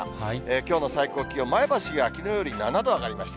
きょうの最高気温、前橋がきのうより７度上がりました。